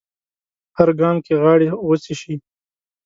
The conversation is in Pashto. هر ګام کې غاړې غوڅې شي